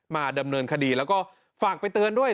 มาดำเนินคดีแล้วก็ฝากไปเตือนด้วย